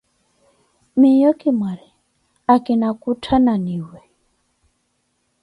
Miiyo ki mwaari, akina kutthananiwe.